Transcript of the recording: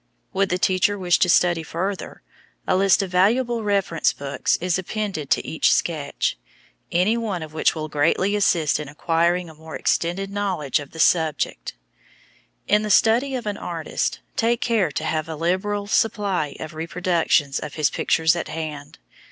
Would the teacher wish to study further, a list of valuable reference books is appended to each sketch, any one of which will greatly assist in acquiring a more extended knowledge of the subject. In the study of an artist, take care to have a liberal supply of reproductions of his pictures at hand.